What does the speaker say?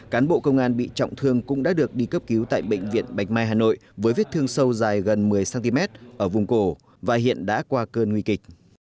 cán bộ công an bị trọng thương cũng đã được đi cấp cứu tại bệnh viện bạch mai hà nội với vết thương sâu dài gần một mươi cm ở vùng cổ và hiện đã qua cơn nguy kịch